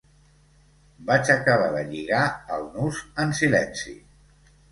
Vaig acabar de lligar el nus en silenci.